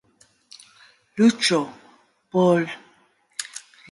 Luchó por el sufragio femenino y por los derechos de las mujeres.